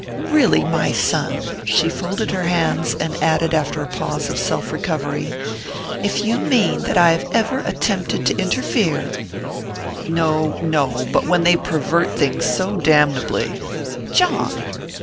"Really, my son !" She folded her hands, and added after a pause of self recovery: "If you mean that I have ever attempted to interfere " "No, no: but when they pervert things so damnably " "John!"